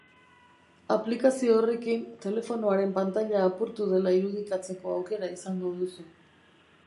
Aplikazio horrekin telefonoaren pantaila apurtu dela irudikatzeko aukera izango duzu.